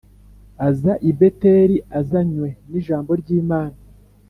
aza i Beteli azanywe n’ijambo ry’Imana